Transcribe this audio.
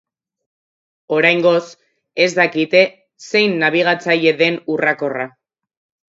Oraingoz, ez dakite zein nabigatzaile den urrakorra.